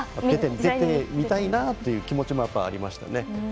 出てみたいなという気持ちもありましたね。